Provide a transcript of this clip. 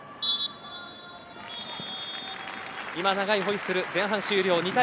今、長いホイッスル前半終了２対１。